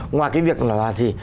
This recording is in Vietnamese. ngoài cái việc là gì